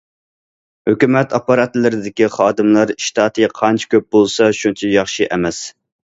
ھۆكۈمەت ئاپپاراتلىرىدىكى خادىملار ئىشتاتى قانچە كۆپ بولسا، شۇنچە ياخشى ئەمەس.